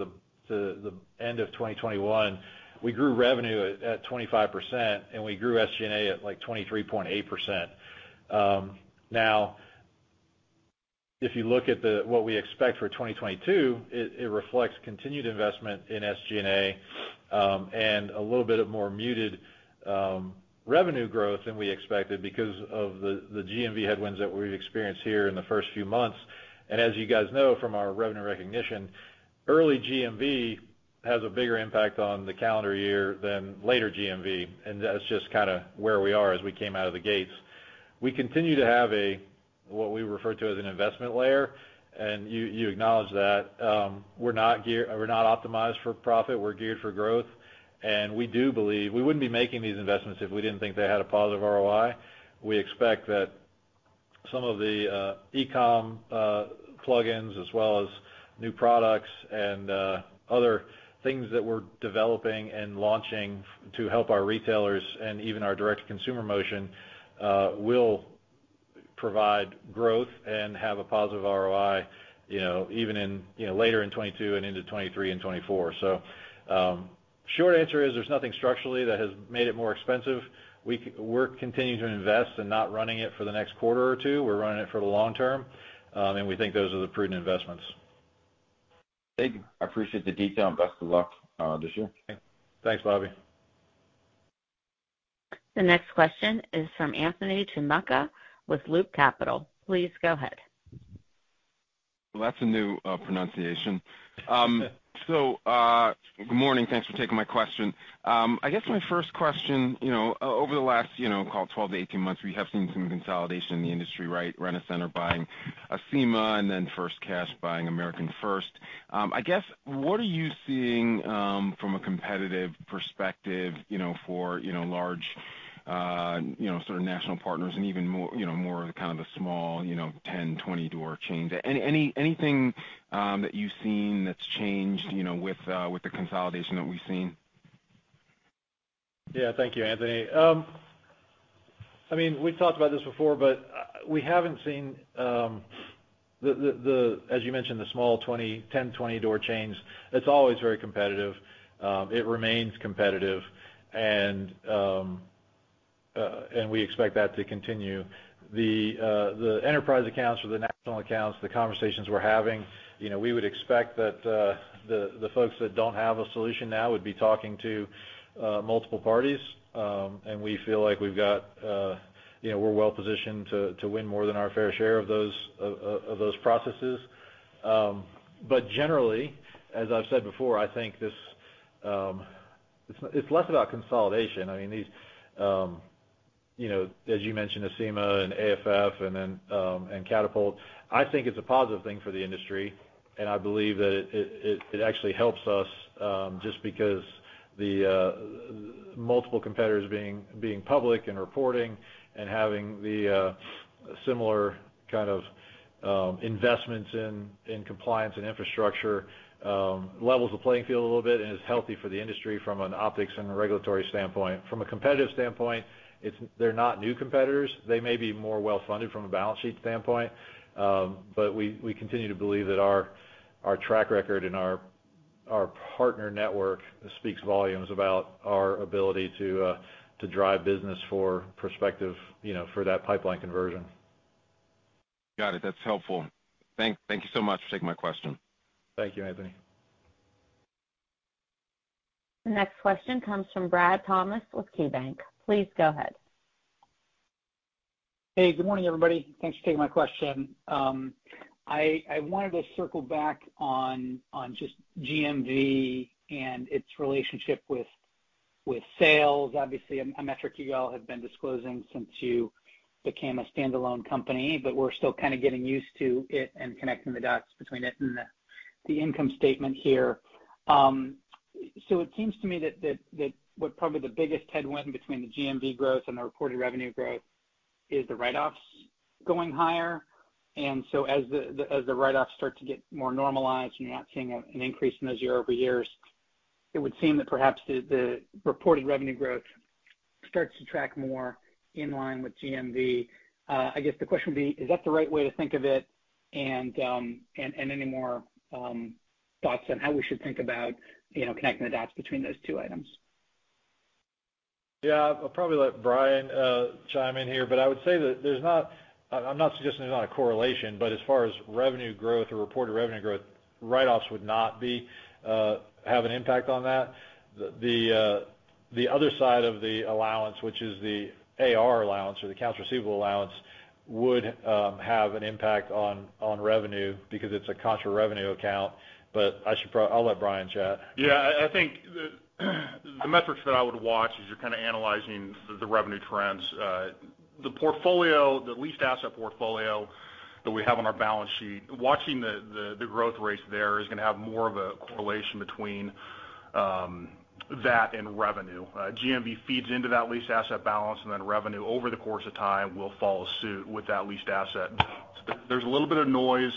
the end of 2021, we grew revenue at 25%, and we grew SG&A at, like, 23.8%. Now, if you look at what we expect for 2022, it reflects continued investment in SG&A and a little bit of more muted revenue growth than we expected because of the GMV headwinds that we've experienced here in the first few months. As you guys know from our revenue recognition, early GMV has a bigger impact on the calendar year than later GMV, and that's just kinda where we are as we came out of the gates. We continue to have what we refer to as an investment layer, and you acknowledged that. We're not optimized for profit. We're geared for growth, and we do believe we wouldn't be making these investments if we didn't think they had a positive ROI. We expect that some of the e-com plugins, as well as new products and other things that we're developing and launching to help our retailers and even our direct-to-consumer motion will provide growth and have a positive ROI, you know, even in, you know, later in 2022 and into 2023 and 2024. Short answer is there's nothing structurally that has made it more expensive. We continue to work, continuing to invest and not running it for the next quarter or two. We're running it for the long term, and we think those are the prudent investments. Thank you. I appreciate the detail and best of luck, this year. Thanks, Bobby. The next question is from Anthony Chukumba with Loop Capital. Please go ahead. Well, that's a new pronunciation. So, good morning. Thanks for taking my question. I guess my first question, you know, over the last, you know, call it 12 months-18 months, we have seen some consolidation in the industry, right? Rent-A-Center are buying Acima, and then FirstCash buying American First Finance. I guess what are you seeing, from a competitive perspective, you know, for, you know, large, you know, sort of national partners and even more, you know, more of kind of the small, you know, 10, 20-door chains? Anything that you've seen that's changed, you know, with the consolidation that we've seen? Yeah. Thank you, Anthony. I mean, we've talked about this before, but we haven't seen, as you mentioned, the small 10- to 20-door chains. It's always very competitive. It remains competitive and we expect that to continue. The enterprise accounts or the national accounts, the conversations we're having, you know, we would expect that, the folks that don't have a solution now would be talking to multiple parties. We feel like we've got, you know, we're well positioned to win more than our fair share of those processes. Generally, as I've said before, I think this, it's less about consolidation. I mean, these, you know, as you mentioned, Acima and AFF and then, and Katapult, I think it's a positive thing for the industry, and I believe that it actually helps us, just because the multiple competitors being public and reporting and having the similar kind of investments in compliance and infrastructure levels the playing field a little bit and is healthy for the industry from an optics and a regulatory standpoint. From a competitive standpoint, it's, they're not new competitors. They may be more well-funded from a balance sheet standpoint, but we continue to believe that our track record and our partner network speaks volumes about our ability to drive business for prospective, you know, for that pipeline conversion. Got it. That's helpful. Thank you so much for taking my question. Thank you, Anthony. The next question comes from Bradley Thomas with KeyBanc. Please go ahead. Hey, good morning, everybody. Thanks for taking my question. I wanted to circle back on just GMV and its relationship with sales. Obviously a metric you all have been disclosing since you became a standalone company, but we're still kind of getting used to it and connecting the dots between it and the income statement here. It seems to me that what probably the biggest headwind between the GMV growth and the reported revenue growth is the write-offs going higher. As the write-offs start to get more normalized, and you're not seeing an increase in those year-over-year, it would seem that perhaps the reported revenue growth starts to track more in line with GMV. I guess the question would be, is that the right way to think of it? Any more thoughts on how we should think about, you know, connecting the dots between those two items? Yeah. I'll probably let Brian chime in here, but I would say that there's not a correlation, but as far as revenue growth or reported revenue growth, write-offs would not have an impact on that. The other side of the allowance, which is the AR allowance or the accounts receivable allowance, would have an impact on revenue because it's a contra revenue account, but I'll let Brian chat. Yeah. I think the metrics that I would watch as you're kind of analyzing the revenue trends, the portfolio, the leased asset portfolio that we have on our balance sheet, watching the growth rates there is gonna have more of a correlation between that and revenue. GMV feeds into that leased asset balance, and then revenue over the course of time will follow suit with that leased asset. There's a little bit of noise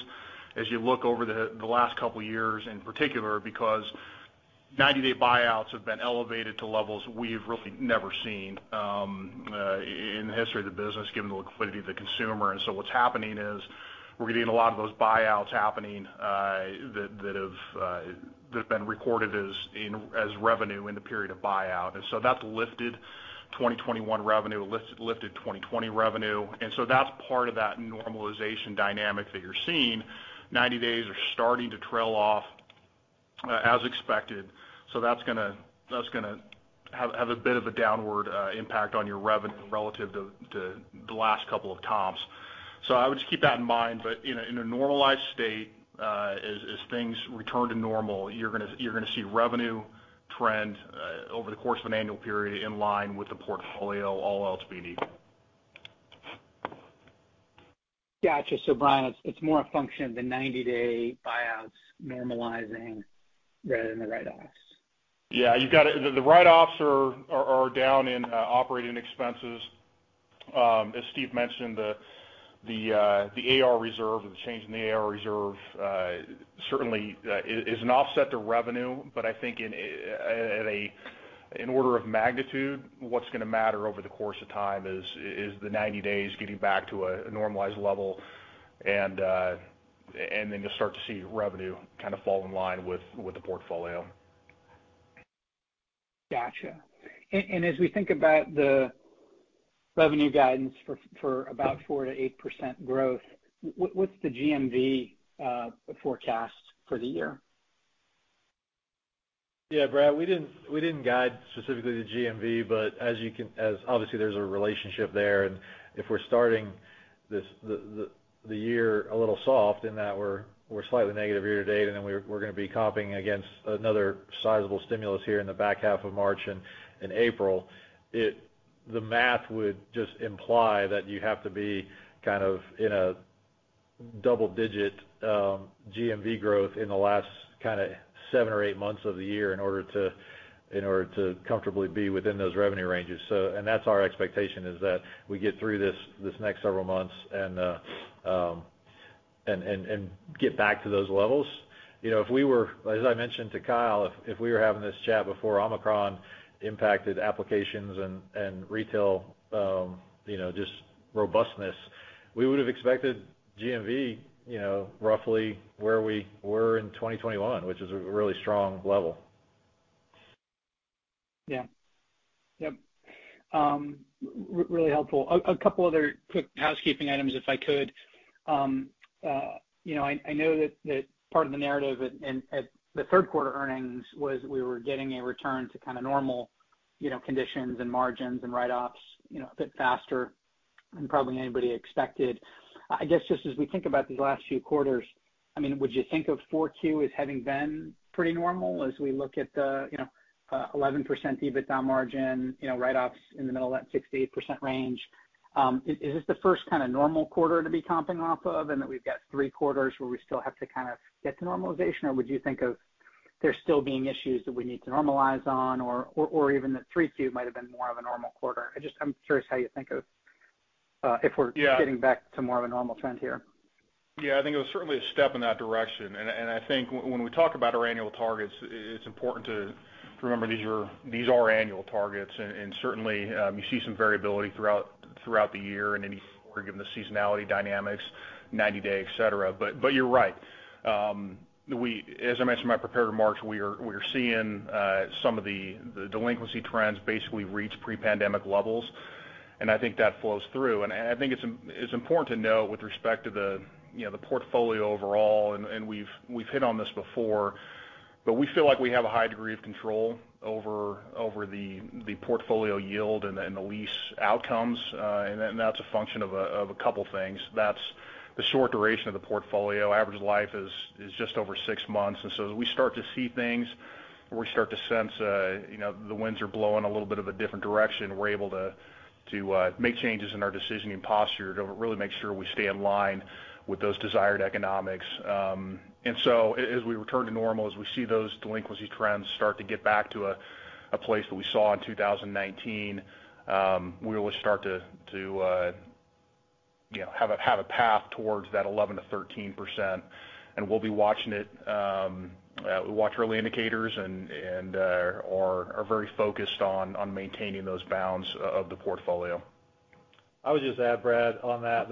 as you look over the last couple of years in particular because 90 day buyouts have been elevated to levels we've really never seen in the history of the business, given the liquidity of the consumer. What's happening is we're getting a lot of those buyouts happening, that have been recorded as revenue in the period of buyout. That's lifted 2021 revenue, lifted 2020 revenue. That's part of that normalization dynamic that you're seeing. 90 days are starting to trail off, as expected. That's gonna have a bit of a downward impact on your revenue relative to the last couple of comps. I would just keep that in mind. In a normalized state, as things return to normal, you're gonna see revenue trend over the course of an annual period in line with the portfolio, all else being equal. Got you. Brian, it's more a function of the 90 day buyouts normalizing rather than the write-offs. Yeah. You've got it. The write-offs are down in operating expenses. As Steve mentioned, the AR reserve or the change in the AR reserve certainly is an offset to revenue. But I think in order of magnitude, what's gonna matter over the course of time is the 90 days getting back to a normalized level. Then you'll start to see revenue kind of fall in line with the portfolio. Gotcha. As we think about the revenue guidance for about 4%-8% growth, what's the GMV forecast for the year? Yeah, Brad, we didn't guide specifically to GMV, but obviously there's a relationship there, and if we're starting this year a little soft in that we're slightly negative year-to-date, and then we're gonna be comping against another sizable stimulus here in the back half of March and April. The math would just imply that you have to be kind of in a double digit GMV growth in the last kind of seven or eight months of the year in order to comfortably be within those revenue ranges. That's our expectation is that we get through this next several months and get back to those levels. You know, if we were. As I mentioned to Kyle, if we were having this chat before Omicron impacted applications and retail, you know, just robustness, we would have expected GMV, you know, roughly where we were in 2021, which is a really strong level. Yeah. Yep. Really helpful. A couple other quick housekeeping items, if I could. You know, I know that part of the narrative at the third quarter earnings was we were getting a return to kind of normal, you know, conditions and margins and write-offs, you know, a bit faster than probably anybody expected. I guess just as we think about these last few quarters, I mean, would you think of Q4 as having been pretty normal as we look at the, you know, 11% EBITDA margin, you know, write-offs in the middle of that 6%-8% range? Is this the first kind of normal quarter to be comping off of and that we've got three quarters where we still have to kind of get to normalization? Would you think of there still being issues that we need to normalize on or even that 3Q might have been more of a normal quarter? I'm just curious how you think of if we're Yeah Getting back to more of a normal trend here. Yeah. I think it was certainly a step in that direction. I think when we talk about our annual targets, it's important to remember these are annual targets. Certainly, you see some variability throughout the year in any quarter given the seasonality dynamics, 90 day, et cetera. You're right. As I mentioned in my prepared remarks, we are seeing some of the delinquency trends basically reach pre-pandemic levels. I think that flows through. I think it's important to note with respect to the portfolio overall, and we've hit on this before, but we feel like we have a high degree of control over the portfolio yield and the lease outcomes. That's a function of a couple things. That's the short duration of the portfolio. Average life is just over six months. As we start to see things, or we start to sense, you know, the winds are blowing a little bit of a different direction, we're able to make changes in our decisioning posture to really make sure we stay in line with those desired economics. As we return to normal, as we see those delinquency trends start to get back to a place that we saw in 2019, we will start to have a path towards that 11%-13%. We'll be watching it, we watch early indicators and are very focused on maintaining those bounds of the portfolio. I would just add, Brad, on that,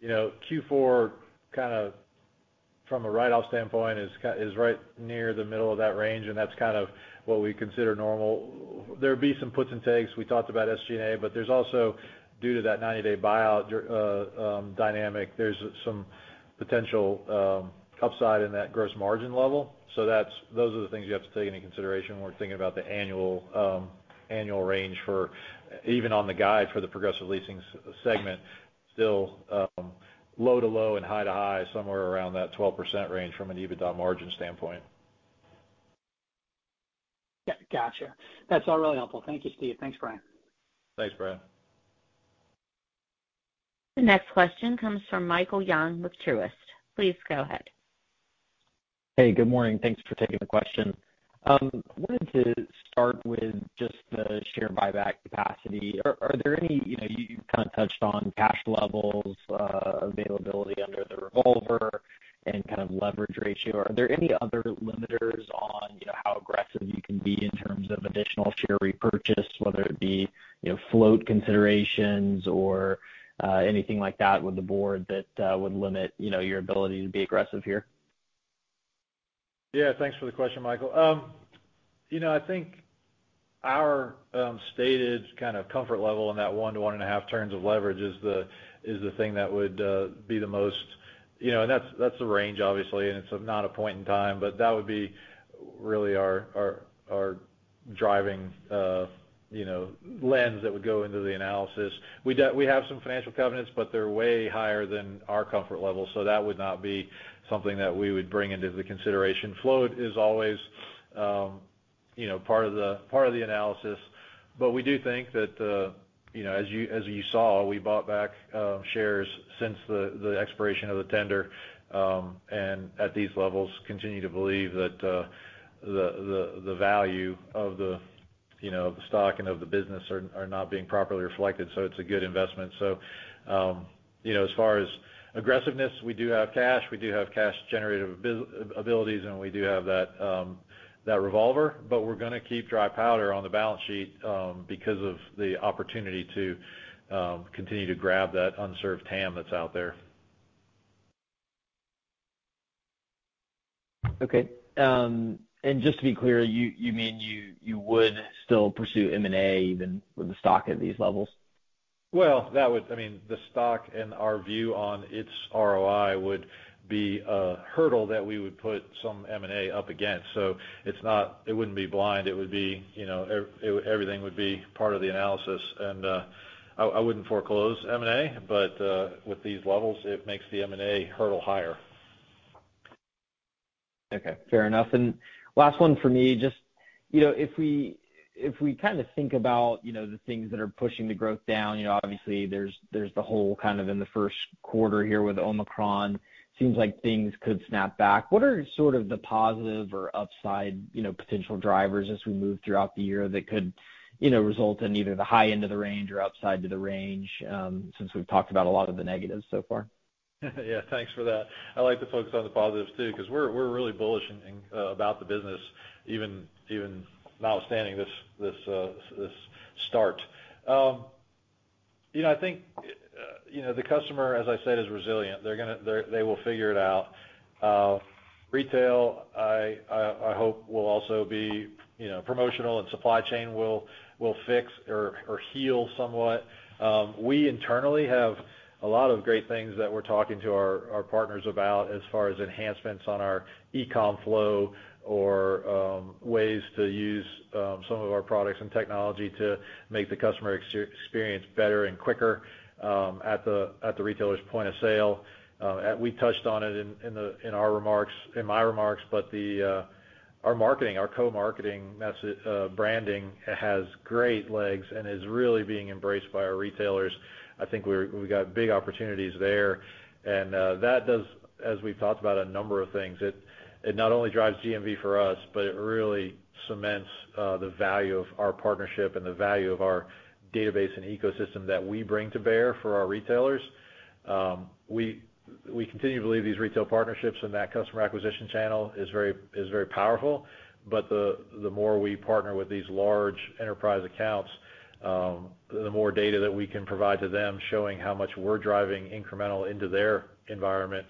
you know, Q4, kind of from a write-off standpoint, is right near the middle of that range, and that's kind of what we consider normal. There'll be some puts and takes. We talked about SG&A, but there's also, due to that 90 day buyout dynamic, there's some potential upside in that gross margin level. So those are the things you have to take into consideration when we're thinking about the annual range for even on the guide for the Progressive Leasing segment, still low to low and high to high, somewhere around that 12% range from an EBITDA margin standpoint. Yeah. Gotcha. That's all really helpful. Thank you, Steve. Thanks, Brad. Thanks, Brad. The next question comes from Michael Young with Truist. Please go ahead. Hey, good morning. Thanks for taking the question. I wanted to start with just the share buyback capacity. Are there any, you know, you kind of touched on cash levels, availability under the revolver and kind of leverage ratio. Are there any other limiters on, you know, how aggressive you can be in terms of additional share repurchase, whether it be, you know, float considerations or, anything like that with the board that would limit, you know, your ability to be aggressive here? Yeah, thanks for the question, Michael. You know, I think our stated kind of comfort level in that 1-1.5 turns of leverage is the thing that would be the most. You know, that's the range obviously, and it's not a point in time, but that would be really our driving lens that would go into the analysis. We have some financial covenants, but they're way higher than our comfort level. That would not be something that we would bring into the consideration. Float is always, you know, part of the analysis. We do think that, you know, as you saw, we bought back shares since the expiration of the tender, and at these levels, continue to believe that the value of, you know, the stock and of the business are not being properly reflected. It's a good investment. You know, as far as aggressiveness, we do have cash, we do have cash generative abilities, and we do have that revolver. We're gonna keep dry powder on the balance sheet, because of the opportunity to continue to grab that unserved TAM that's out there. Okay. Just to be clear, you mean you would still pursue M&A even with the stock at these levels? Well, I mean, the stock and our view on its ROI would be a hurdle that we would put some M&A up against. It's not. It wouldn't be blind. It would be, you know, everything would be part of the analysis. I wouldn't foreclose M&A, but with these levels, it makes the M&A hurdle higher. Okay, fair enough. Last one for me, just, you know, if we kind of think about, you know, the things that are pushing the growth down, you know, obviously there's the whole kind of in the first quarter here with Omicron, seems like things could snap back. What are sort of the positive or upside, you know, potential drivers as we move throughout the year that could, you know, result in either the high end of the range or upside to the range, since we've talked about a lot of the negatives so far? Yeah. Thanks for that. I like to focus on the positives too, 'cause we're really bullish about the business, even notwithstanding this start. You know, I think you know, the customer, as I said, is resilient. They will figure it out. Retail, I hope, will also be you know, promotional and supply chain will fix or heal somewhat. We internally have a lot of great things that we're talking to our partners about as far as enhancements on our eCom flow or ways to use some of our products and technology to make the customer experience better and quicker at the retailer's point of sale. We touched on it in my remarks, but our marketing, our co-marketing branding has great legs and is really being embraced by our retailers. I think we got big opportunities there. That does, as we've talked about a number of things, it not only drives GMV for us, but it really cements the value of our partnership and the value of our database and ecosystem that we bring to bear for our retailers. We continue to believe these retail partnerships and that customer acquisition channel is very powerful. The more we partner with these large enterprise accounts, the more data that we can provide to them showing how much we're driving incremental into their environment,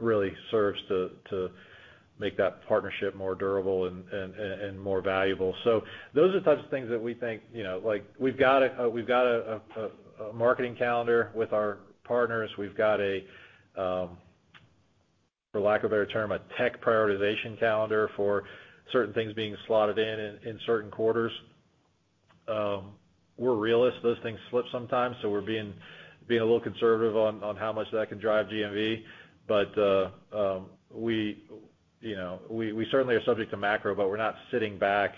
really serves to make that partnership more durable and more valuable. Those are the types of things that we think we've got a marketing calendar with our partners. We've got a for lack of a better term, a tech prioritization calendar for certain things being slotted in certain quarters. We're realists. Those things slip sometimes, so we're being a little conservative on how much that can drive GMV. We certainly are subject to macro, but we're not sitting back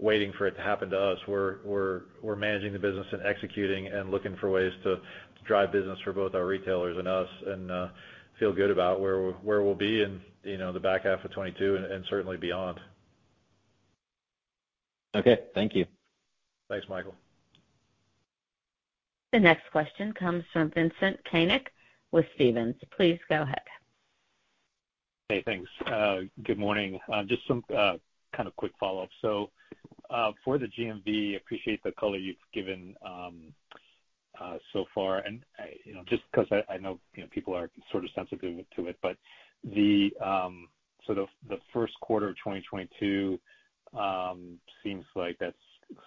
waiting for it to happen to us. We're managing the business and executing and looking for ways to drive business for both our retailers and us, and feel good about where we'll be in, you know, the back half of 2022 and certainly beyond. Okay, thank you. Thanks, Michael. The next question comes from Vincent Caintic with Stephens. Please go ahead. Hey, thanks. Good morning. Just some kind of quick follow-up. For the GMV, I appreciate the color you've given so far. I you know, just 'cause I know, you know, people are sort of sensitive to it, but the sort of the first quarter of 2022 seems like that's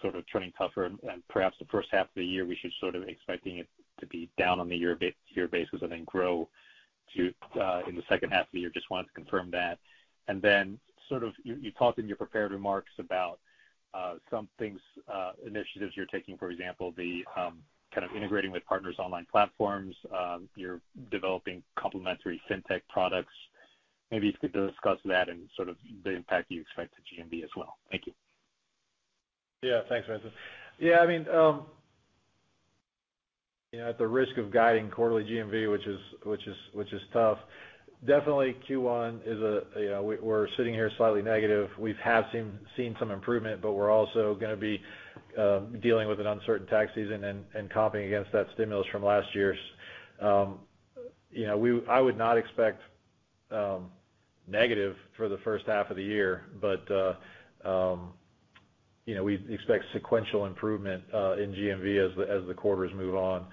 sort of turning tougher. Perhaps the first half of the year, we should sort of expecting it to be down on the year year basis and then grow to in the second half of the year. Just wanted to confirm that. Then sort of, you talked in your prepared remarks about some things initiatives you're taking, for example, the kind of integrating with partners' online platforms. You're developing complementary fintech products. Maybe if you could discuss that and sort of the impact you expect to GMV as well. Thank you. Yeah, thanks, Vincent. Yeah, I mean, you know, at the risk of guiding quarterly GMV, which is tough. Definitely Q1 is -- we're sitting here slightly negative. We've seen some improvement, but we're also gonna be dealing with an uncertain tax season and comping against that stimulus from last year. You know, I would not expect negative for the first half of the year, but you know, we expect sequential improvement in GMV as the quarters move on.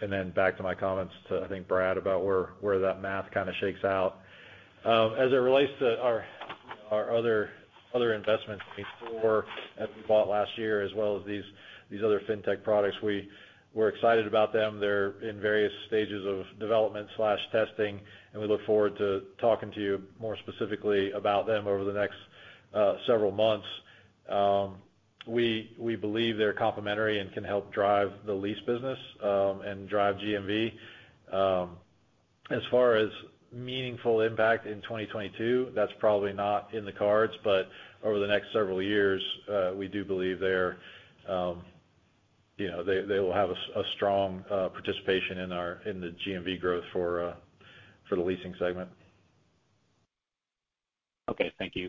Then back to my comments to, I think, Brad, about where that math kinda shakes out. As it relates to our other investments before that we bought last year as well as these other fintech products, we're excited about them. They're in various stages of development/testing, and we look forward to talking to you more specifically about them over the next several months. We believe they're complementary and can help drive the lease business and drive GMV. As far as meaningful impact in 2022, that's probably not in the cards, but over the next several years, we do believe they're you know, they will have a strong participation in the GMV growth for the leasing segment. Okay, thank you.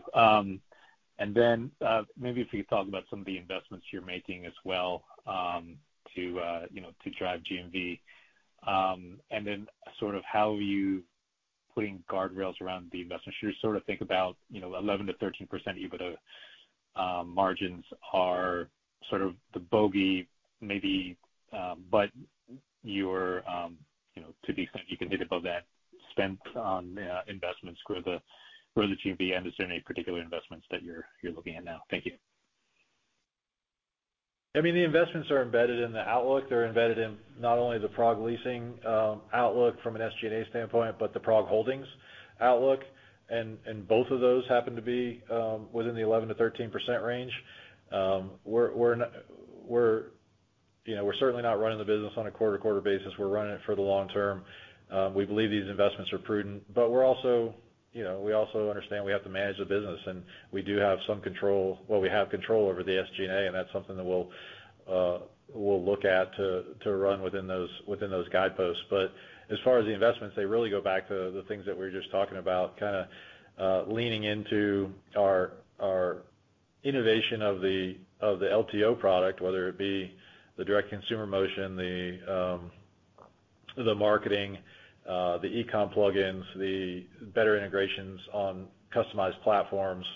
Then, maybe if you could talk about some of the investments you're making as well, to, you know, to drive GMV. Then sort of how you putting guardrails around the investments. Should we sort of think about, you know, 11%-13% EBITDA margins are sort of the bogey maybe, but you're, you know, to the extent you can hit above that spent on, investments grow the GMV? Is there any particular investments that you're looking at now? Thank you. I mean, the investments are embedded in the outlook. They're embedded in not only the Prog leasing outlook from an SG&A standpoint, but the PROG Holdings outlook. Both of those happen to be within the 11%-13% range. We're, you know, certainly not running the business on a quarter-to-quarter basis. We're running it for the long term. We believe these investments are prudent, but we're also, you know, we also understand we have to manage the business, and we do have some control. Well, we have control over the SG&A, and that's something that we'll look at to run within those guideposts. As far as the investments, they really go back to the things that we were just talking about, kinda, leaning into our innovation of the LTO product, whether it be the direct consumer motion, the marketing, the e-com plugins, the better integrations on customized platforms,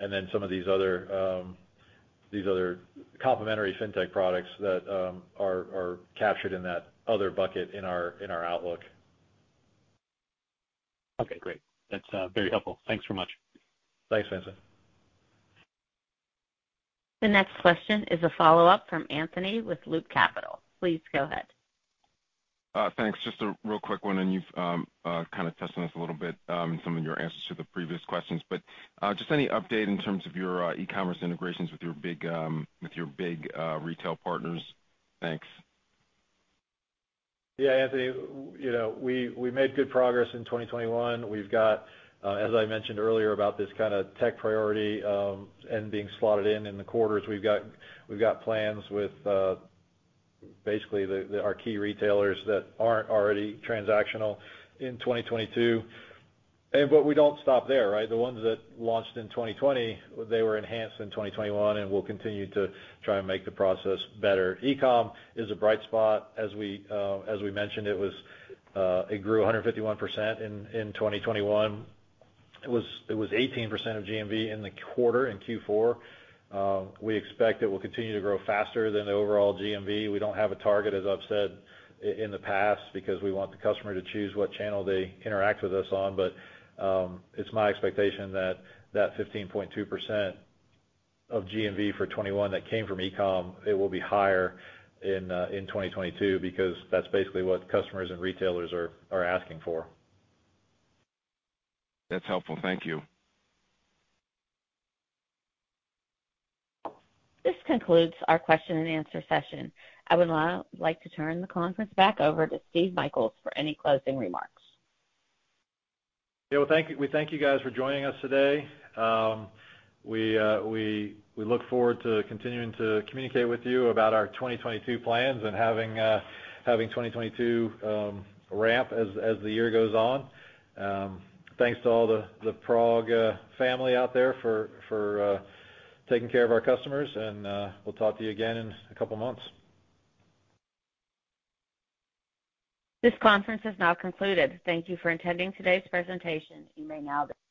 and then some of these other complementary fintech products that are captured in that other bucket in our outlook. Okay, great. That's very helpful. Thanks so much. Thanks, Vincent. The next question is a follow-up from Anthony Chukumba with Loop Capital. Please go ahead. Thanks. Just a real quick one, and you've kind of touched on this a little bit in some of your answers to the previous questions. Just any update in terms of your e-commerce integrations with your big retail partners? Thanks. Yeah, Anthony, we made good progress in 2021. We've got, as I mentioned earlier about this kinda tech priority, and being slotted in the quarters. We've got plans with basically our key retailers that aren't already transactional in 2022. We don't stop there, right? The ones that launched in 2020, they were enhanced in 2021, and we'll continue to try and make the process better. E-com is a bright spot. As we mentioned, it grew 151% in 2021. It was 18% of GMV in the quarter, in Q4. We expect it will continue to grow faster than the overall GMV. We don't have a target, as I've said in the past because we want the customer to choose what channel they interact with us on. It's my expectation that 15.2% of GMV for 2021 that came from e-com it will be higher in 2022 because that's basically what customers and retailers are asking for. That's helpful. Thank you. This concludes our question and answer session. I would now like to turn the conference back over to Steve Michaels for any closing remarks. Yeah. Well, thank you guys for joining us today. We look forward to continuing to communicate with you about our 2022 plans and having 2022 ramp as the year goes on. Thanks to all the PROG family out there for taking care of our customers, and we'll talk to you again in a couple months. This conference is now concluded. Thank you for attending today's presentation. You may now di-